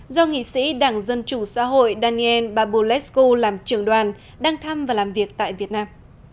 do nghị sĩ đảng dân chủ xã hội daniel barbolasko làm trường đoàn đang thăm và làm việc tại việt nam